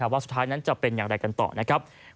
ว่าสุดท้ายนั้นจะเป็นอย่างไรกันต่อนะครับ